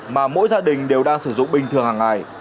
mà mỗi gia đình đều đang sử dụng bình thường hàng ngày